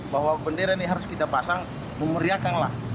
bahwa bendera ini harus kita pasang memeriahkan lah